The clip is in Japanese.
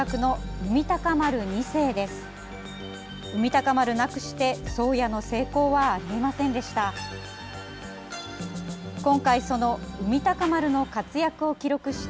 「海鷹丸」なくして「宗谷」の成功はあり得ませんでした。